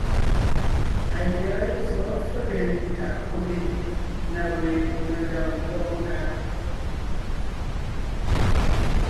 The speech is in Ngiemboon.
A yɛ̌ zɔ̌ fege nkaʼ wég na we megàŋ nkwɔ́ʼɔ nkaʼ.